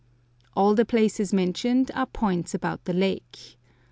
All the places mentioned are points about the lake.